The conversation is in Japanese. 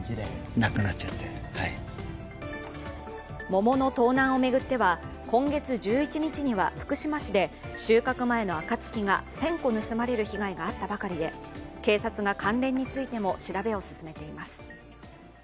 桃の盗難を巡っては今月１１日には福島市で収穫前のあかつきが１０００個盗まれる被害があったばかりで警察が関連についても調べを進めています。